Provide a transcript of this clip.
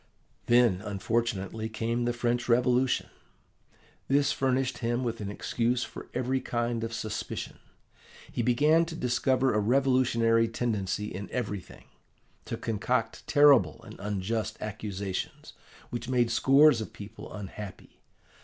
"Then, unfortunately, came the French Revolution. This furnished him with an excuse for every kind of suspicion. He began to discover a revolutionary tendency in everything; to concoct terrible and unjust accusations, which made scores of people unhappy.